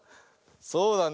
そうだね。